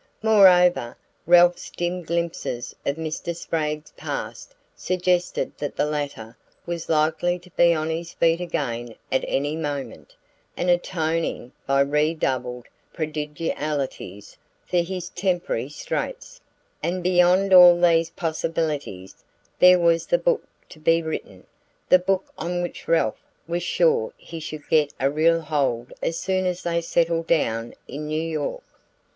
Moreover, Ralph's dim glimpses of Mr. Spragg's past suggested that the latter was likely to be on his feet again at any moment, and atoning by redoubled prodigalities for his temporary straits; and beyond all these possibilities there was the book to be written the book on which Ralph was sure he should get a real hold as soon as they settled down in New York.